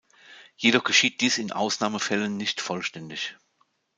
Jedoch geschieht dies in Ausnahmefällen nicht vollständig.